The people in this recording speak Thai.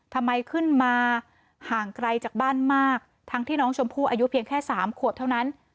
ทำไมขึ้นมาห่างไกลจากบ้านมากทั้งที่น้องชมพู่อายุเพียงแค่สามขวบเท่านั้น